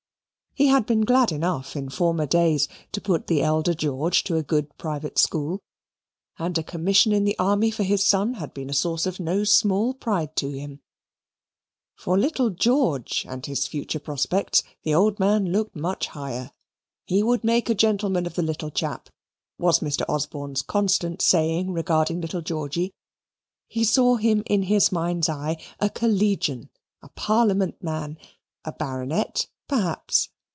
He had been glad enough in former days to put the elder George to a good private school; and a commission in the army for his son had been a source of no small pride to him; for little George and his future prospects the old man looked much higher. He would make a gentleman of the little chap, was Mr. Osborne's constant saying regarding little Georgy. He saw him in his mind's eye, a collegian, a Parliament man, a Baronet, perhaps.